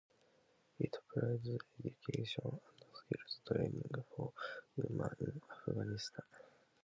It provides education and skills training for women in Afghanistan.